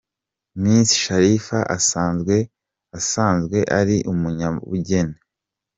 Miss Sharifa asanzwe asanzwe ari umunyabugeni.